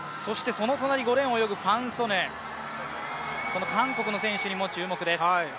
その隣、５レーンを泳ぐファン・ソヌこの韓国の選手にも注目です。